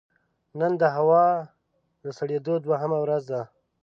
نن د هوا د سړېدو دوهمه ورځ ده